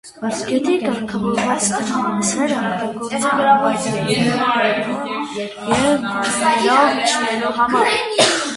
Գետի կարգավորված տեղամասերը օգտագործել են բայդարկաներով և կանոեներով իջնելու համար։